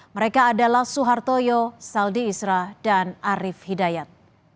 mereka adalah suhartoyo saldi isra dan arief hidayat